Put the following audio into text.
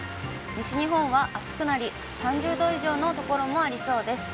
西日本は暑くなり、３０度以上の所もありそうです。